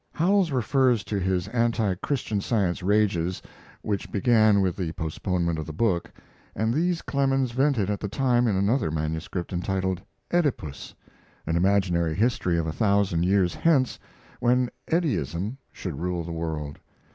Howells refers to his anti Christian Science rages, which began with the postponement of the book, and these Clemens vented at the time in another manuscript entitled, "Eddypus," an imaginary history of a thousand years hence, when Eddyism should rule the world.